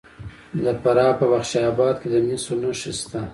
د فراه په بخش اباد کې د مسو نښې شته.